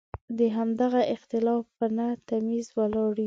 د همدغه اختلاف په نه تمیز ولاړ یو.